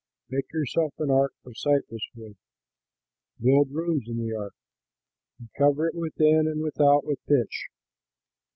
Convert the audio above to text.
Make yourself an ark of cypress wood. Build rooms in the ark, and cover it within and without with pitch.